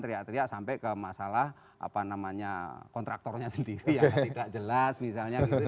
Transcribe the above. teriak teriak sampai ke masalah apa namanya kontraktornya sendiri yang tidak jelas misalnya gitu